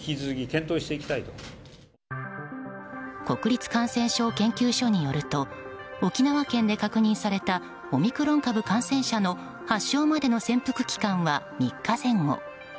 国立感染症研究所によると沖縄県で確認されたオミクロン株感染者の発症までの潜伏期間は３日前後。